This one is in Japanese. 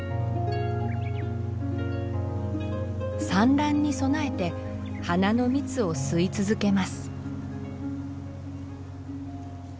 産卵に備えて花の蜜を吸い続けます。